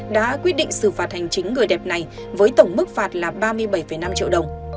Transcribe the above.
đã quyết định xử phạt hành chính người đẹp này với tổng mức phạt là ba mươi bảy năm triệu đồng